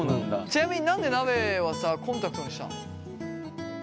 ちなみに何でなべはコンタクトにしたの？